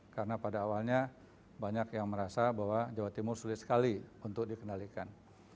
karena pada awalnya banyak yang merasa bahwa jawa timur sulit sekali untuk dikendalikan